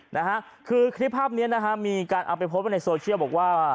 นะฮะคือคลิปภาพเนี้ยนะฮะมีการเอาไปโพสต์ไว้ในโซเชียลบอกว่า